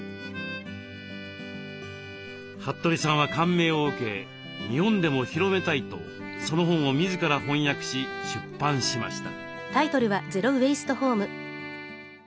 服部さんは感銘を受け日本でも広めたいとその本を自ら翻訳し出版しました。